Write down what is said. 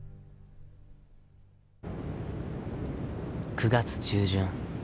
９月中旬。